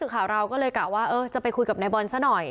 สื่อข่าวเราก็เลยกะว่าเออจะไปคุยกับในบอลซะหน่อย